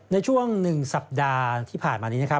ในช่วง๑สัปดาห์ที่ผ่านมานี้นะครับ